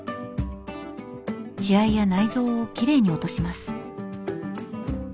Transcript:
血合いや内臓をきれいに落とします。